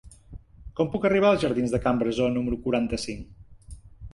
Com puc arribar als jardins de Can Brasó número quaranta-cinc?